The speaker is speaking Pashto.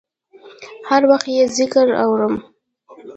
هر وخت یې ذکر اورم